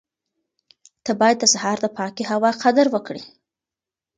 ته باید د سهار د پاکې هوا قدر وکړې.